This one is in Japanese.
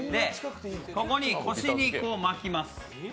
ここに、腰に巻きます。